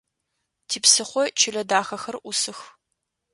Типсыхъо чылэ дахэхэр ӏусых.